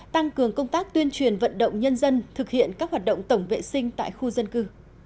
tăng cường công tác tuyên truyền vận động nhân dân thực hiện các hoạt động tổng vệ sinh tại khu dân cư